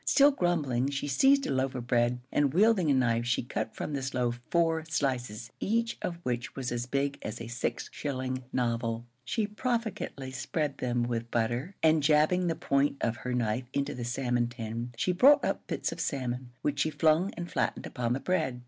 Still grumbling, she seized a loaf of bread and, wielding a knife, she cut from this loaf four slices, each of which was as big as a six shilling novel. She profligately spread them with butter, and jabbing the point of her knife into the salmon tin, she brought up bits of salmon, which she flung and flattened upon the bread.